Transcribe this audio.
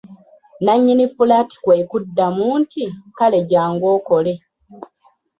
Nannyini fulaati kwe kumuddamu nti:"kale jjangu okole"